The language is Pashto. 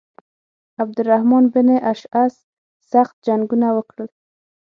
عبدالرحمن بن اشعث سخت جنګونه وکړل.